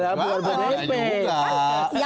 yang mengkritik selama ini